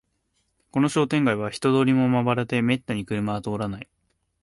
この商店街は人通りもまばらで、めったに車は通らない